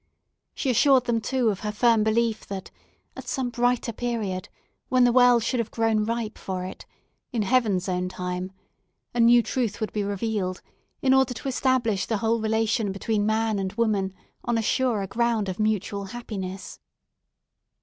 She assured them, too, of her firm belief that, at some brighter period, when the world should have grown ripe for it, in Heaven's own time, a new truth would be revealed, in order to establish the whole relation between man and woman on a surer ground of mutual happiness.